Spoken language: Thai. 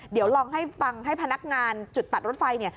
เดี๋ยวลองให้ฟังให้พนักงานจุดตัดรถไฟเนี่ย